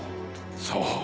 そう。